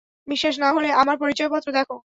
বিশ্বাস না হলে আমার পরিচয়পত্র দেখো।